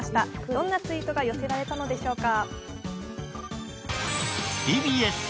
どんなツイートが寄せられたのでしょうか。